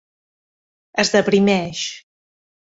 Es deprimeix.